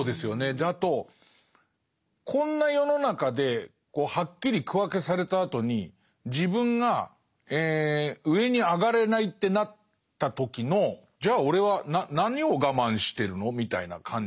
であとこんな世の中ではっきり区分けされたあとに自分が上に上がれないってなった時のじゃあ俺は何を我慢してるの？みたいな感じ。